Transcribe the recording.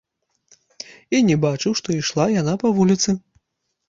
І не бачыў, што ішла яна па вуліцы.